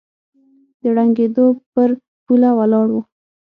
د ړنګېدو پر پوله ولاړ و